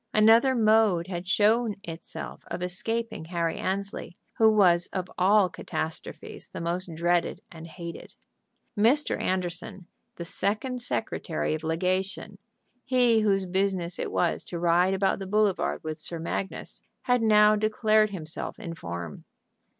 Another mode had shown itself of escaping Harry Annesley, who was of all catastrophes the most dreaded and hated. Mr. Anderson, the second secretary of legation, he whose business it was to ride about the boulevard with Sir Magnus, had now declared himself in form.